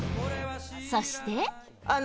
そして。